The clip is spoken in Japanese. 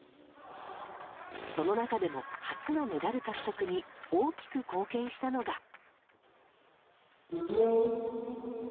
その中でも、初のメダル獲得に大きく貢献したのが。